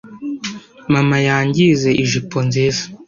Mama yangize ijipo nziza.